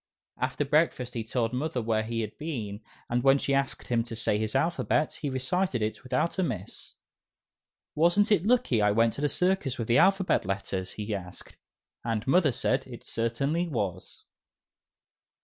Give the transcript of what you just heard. After breakfast he told Mother where he had been, and when she asked him to say his alphabet, he recited it without a miss. "Wasn't it lucky I went to the circus with the "'Alphabet Letters'?" he asked, and Mother said it certainly was.